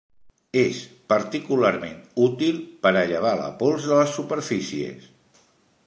És particularment útil per a llevar la pols de les superfícies.